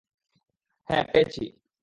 হ্যাঁ, পেয়েছি।